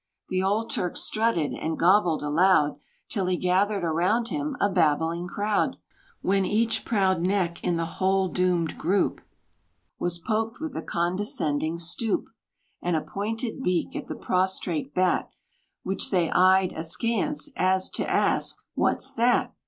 The old Turk strutted, and gobbled aloud, Till he gathered around him a babbling crowd; When each proud neck in the whole doomed group Was poked with a condescending stoop, And a pointed beak, at the prostrate Bat, Which they eyed askance, as to ask, "What's that?"